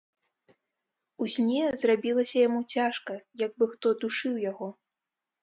У сне зрабілася яму цяжка, як бы хто душыў яго.